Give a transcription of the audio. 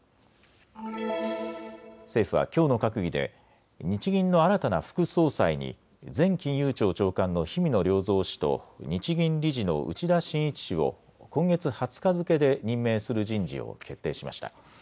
政府はきょうの閣議で日銀の新たな副総裁に前金融庁長官の氷見野良三氏と日銀理事の内田眞一氏を今月２０日付けで任命する人事を決定しました。